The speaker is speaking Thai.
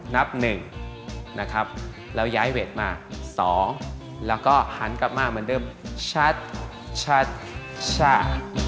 นับ๑นะครับแล้วย้ายเวทมา๒แล้วก็หันกลับมาเหมือนเดิมชัดชะ